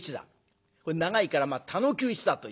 長いから田能久一座という。